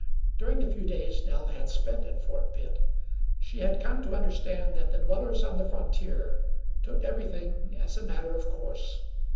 During the few days Nell had spent at Fort Pitt, she had come to understand that the dwellers on the frontier took everything as a matter of course.